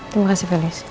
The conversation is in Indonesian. terima kasih felis